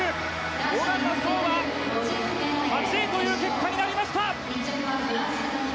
小方颯は８位という結果になりました。